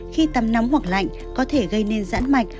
khi tắm nóng hoặc lạnh có thể gây nên giãn mạch